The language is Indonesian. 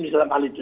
di dalam hal itu